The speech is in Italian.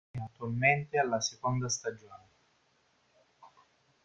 È attualmente alla seconda stagione.